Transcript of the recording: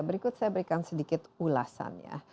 berikut saya berikan sedikit ulasannya